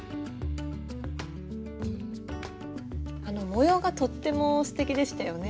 模様がとってもすてきでしたよね。